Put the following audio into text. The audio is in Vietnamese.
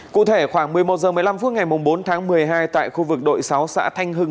cụ thể khoảng một mươi một h một mươi năm phút ngày bốn tháng một mươi hai tại khu vực đội sáu xã thanh hưng